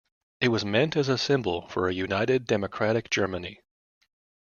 It was meant as a symbol of a united democratic Germany.